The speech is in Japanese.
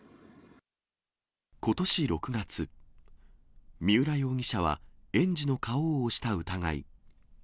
ことし６月、三浦容疑者は、園児の顔を押した疑い。